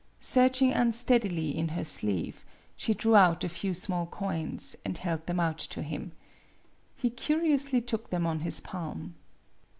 Searching unsteadily in her sleeve, she drew out a few small coins, and held them out to him. He curiously took them on his palm.